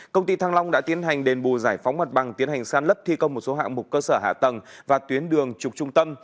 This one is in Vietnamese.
công ty thăng long đã tiến hành đền bù giải phóng mặt bằng tiến hành san lấp thi công một số hạng mục cơ sở hạ tầng và tuyến đường trục trung tâm